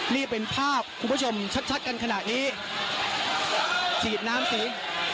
นี่เป็นภาพคุณผู้ชมชัดชัดกันขนาดนี้ฉีดน้ำสี